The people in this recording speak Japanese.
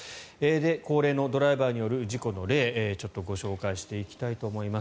高齢のドライバーによる事故の例ご紹介していきたいと思います。